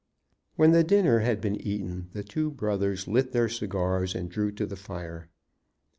When the dinner had been eaten the two brothers lit their cigars and drew to the fire.